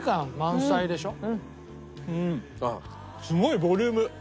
すごいボリューム。